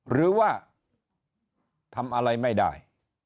หรือว่าทำอะไรไม่ได้